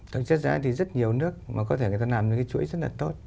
thực chất ra thì rất nhiều nước mà có thể người ta làm những cái chuỗi rất là tốt